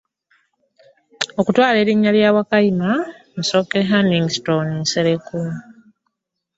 Okutwala erinnya lya Wakayima Musoke Hannington Nsereko.